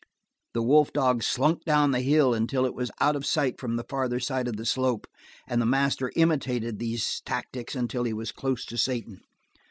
The wolf dog slunk down the hill until it was out of sight from the farther side of the slope, and the master imitated these tactics until he was close to Satan.